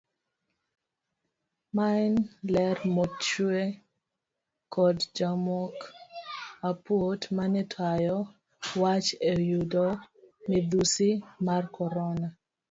Maen ler mochiw kod jakom aput mane tayo wach eyudo midhusi mar korona.